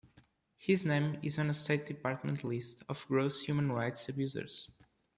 His name is on a State Department list of gross human rights abusers.